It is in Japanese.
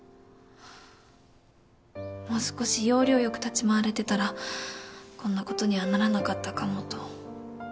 もう少し要領よく立ち回れてたらこんなことにはならなかったかもと。